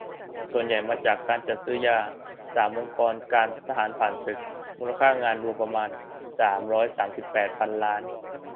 ส่วนใหญ่มาจากการจัดซื้อยา สาม องค์การทหารผ่านศึก มูลค่างานรวมประมาณ สามร้อยสามสิบแปด พันล้าน